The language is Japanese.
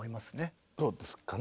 そうですかね。